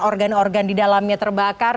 organ organ di dalamnya terbakar